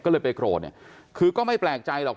ก็เลยไปโกรธเนี่ยคือก็ไม่แปลกใจหรอก